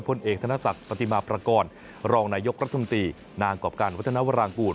พลเอกธนศักดิ์ปฏิมาประกอบรองนายกรัฐมนตรีนางกรอบการวัฒนาวรางกูล